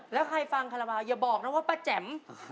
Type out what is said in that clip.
แล้วใครฟังคาราบาลอย่าบอกนะว่าป้าแจ๋ม